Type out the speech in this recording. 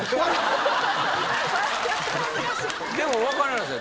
でも分からないですよ。